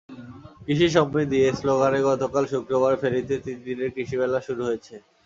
কৃষিই সমৃদ্ধি—এ স্লোগানে গতকাল শুক্রবার ফেনীতে তিন দিনের কৃষি মেলা শুরু হয়েছে।